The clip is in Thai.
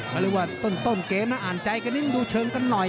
ก็ยังว่โต้นโต้นเกมนะอ่านใจกะนิ้มดูเชิงกันหน่อย